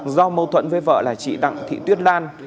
do mâu thuẫn với vợ là chị đặng thị tuyết lan